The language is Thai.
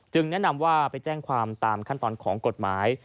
แนะนำว่าไปแจ้งความตามขั้นตอนของกฎหมาย